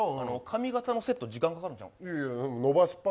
髪型のセット時間かかるんちゃうん。